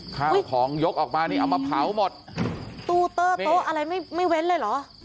ข้าวของยกออกมานี่เอามาเผาหมดตู้เตอร์โต๊ะอะไรไม่ไม่เว้นเลยเหรอ